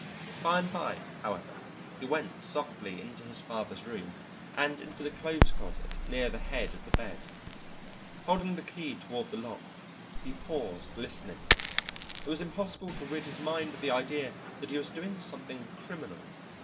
By and by, however, he went softly into his father's room, and into the clothes closet near the head of the bed. Holding the key toward the lock, he paused listening; it was impossible to rid his mind of the idea that he was doing something criminal.